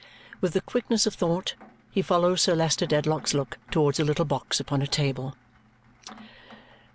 With the quickness of thought, he follows Sir Leicester Dedlock's look towards a little box upon a table.